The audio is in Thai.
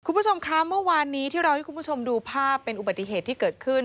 คุณผู้ชมคะเมื่อวานนี้ที่เราให้คุณผู้ชมดูภาพเป็นอุบัติเหตุที่เกิดขึ้น